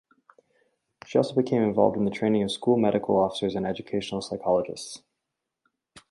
She also became involved in the training of school medical officers and educational psychologists.